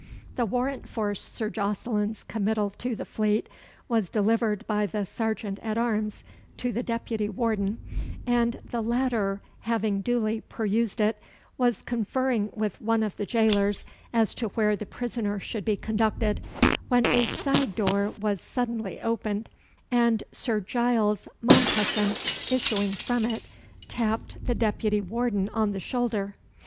The warrant for Sir Jocelyn's committal to the Fleet was delivered by the serjeant at arms to the deputy warden; and the latter having duly perused it, was conferring with one of the jailers as to where the prisoner should be conducted, when a side door was suddenly opened, and Sir Giles Mompesson issuing from it, tapped the deputy warden on the shoulder.